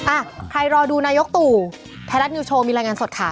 อ่ะใครรอดูนายกตู่ไทยรัฐนิวโชว์มีรายงานสดค่ะ